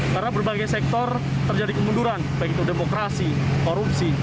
karena berbagai sektor terjadi kemunduran baik itu demokrasi korupsi